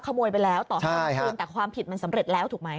เขโมยไปแล้วต่อความคืนแต่ความผิดมันสำเร็จแล้วถูกมั้ย